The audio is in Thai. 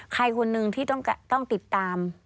ใครคุณหนึ่งที่ต้องติดตาม